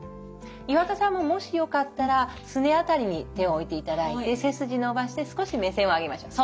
岩田さんももしよかったらすね辺りに手を置いていただいて背筋伸ばして少し目線を上げましょう。